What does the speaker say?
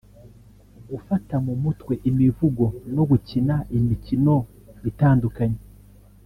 gufata mu mutwe imivugo no gukina imikino itandukanye